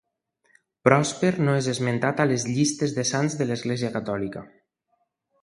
Pròsper no és esmentat a les llistes de sants de l'Església Catòlica.